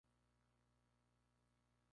Perteneció en su juventud al Partido Colorado.